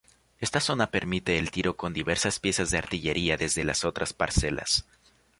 Esta zona permite el tiro con diversas piezas de artillería desde las otras parcelas.